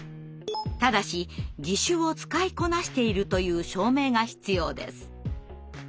ただし「義手を使いこなしている」という証明が必要です。